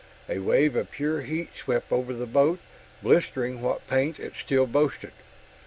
A wave of pure heat swept over the boat, blistering what paint it still boasted.